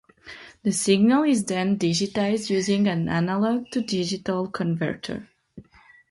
The signal is then digitized using an analog-to-digital converter.